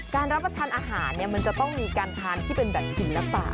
การรับประทานอาหารมันจะต้องมีการทานที่เป็นแบบศิลปะ